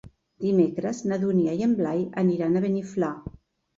Dimecres na Dúnia i en Blai aniran a Beniflà.